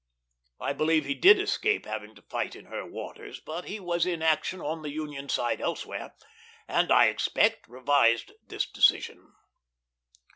I believe he did escape having to fight in her waters, but he was in action on the Union side elsewhere, and, I expect, revised this decision.